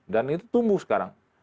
dan itu tumbuh sekarang